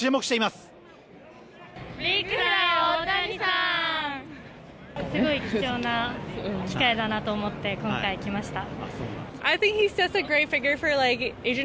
すごい貴重な機会だなと思って今回、来ました。